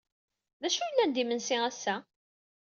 D acu ay yellan d imensi ass-a?